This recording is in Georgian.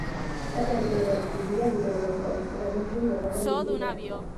ტაძარი ბევრად დიდია ვიდრე მოსკოვის კრემლში მდებარე მისი სეხნია.